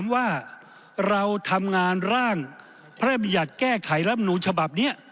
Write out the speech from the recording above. ว่าเราทำงานร่างพระมญัติแก้ไขลำนูญฉบับเนี่ย